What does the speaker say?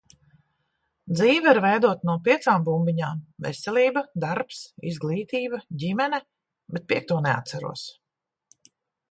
Dzīve ir veidota no piecām bumbiņām - veselība, darbs, izglītība, ģimene, bet piekto neatceros.